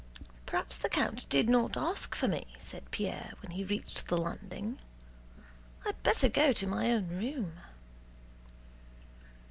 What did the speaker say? "Perhaps the count did not ask for me," said Pierre when he reached the landing. "I'd better go to my own room."